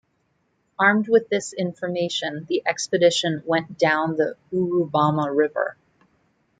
Armed with this information the expedition went down the Urubamba River.